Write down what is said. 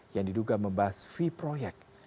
yang diduga membahas v proyek